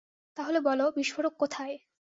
তাহলে বলো বিস্ফোরক কোথায়?